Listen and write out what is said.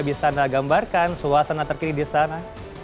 bisa anda gambarkan suasana terkini di sana